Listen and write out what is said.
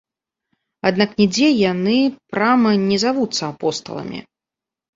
Аднак нідзе яны прама не завуцца апосталамі.